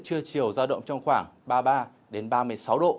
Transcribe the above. chưa chiều ra động trong khoảng ba mươi ba ba mươi sáu độ